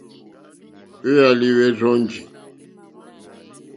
Hwéálí hwɛ́ rzɔ́njì.